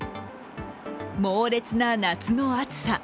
猛烈な夏の暑さ。